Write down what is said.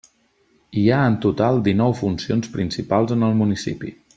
Hi ha en total dinou funcions principals en el municipi.